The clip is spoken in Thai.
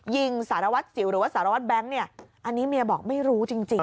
ยิงสารวัตรสิวหรือว่าสารวัตรแบงค์เนี่ยอันนี้เมียบอกไม่รู้จริง